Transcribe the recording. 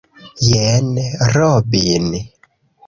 Jen Robin